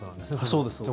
そうです。